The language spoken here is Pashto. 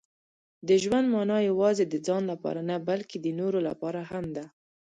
• د ژوند مانا یوازې د ځان لپاره نه، بلکې د نورو لپاره هم ده.